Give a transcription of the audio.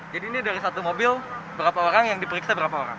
jadi ini dari satu mobil berapa orang yang diperiksa